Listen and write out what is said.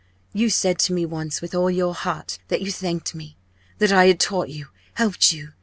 You said to me once, with all your heart, that you thanked me, that I had taught you, helped you.